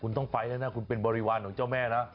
คุณต้องไปแล้วนะคุณเป็นบริวารของเจ้าแม่นะ